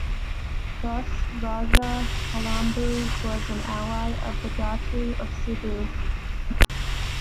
Thus Rajah Calambu was an ally of the Datu of Cebu.